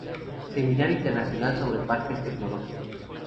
Seminario Internacional sobre Parques Tecnológicos.